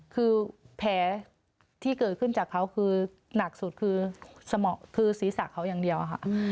คือแผลที่เกิดขึ้นจากเขาคือหนักสุดคือสมองคือศีรษะเขาอย่างเดียวค่ะ